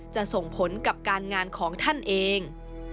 ส่งผลกับการงานของท่านเอง